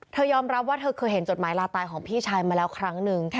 ยอมรับว่าเธอเคยเห็นจดหมายลาตายของพี่ชายมาแล้วครั้งหนึ่ง